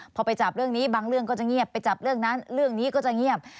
พอไปจับเรื่องนี้บางเรื่องก็จะเงียบไปจับเรื่องนั้นเรื่องนี้ก็จะเงียบ